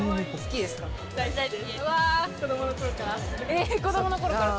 え子供の頃から？